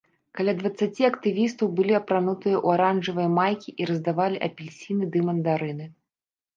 Каля дваццаці актывістаў былі апранутыя ў аранжавыя майкі і раздавалі апельсіны ды мандарыны.